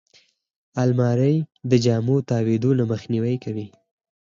الماري د جامو تاویدو نه مخنیوی کوي